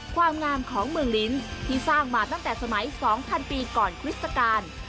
ความงามของเมืองลิ้นที่สร้างมาตั้งแต่สมัย๒๐๐ปีก่อนคริสตการ